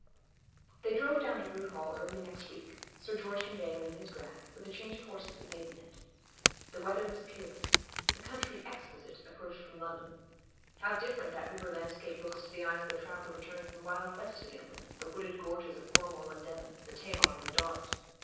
They drove down to Rood Hall early next week, Sir George conveying them in his drag, with a change of horses at Maidenhead. The weather was peerless; the country exquisite, approached from London. How different that river landscape looks to the eyes of the traveller returning from the wild West of England, the wooded gorges of Cornwall and Devon, the Tamar and the Dart.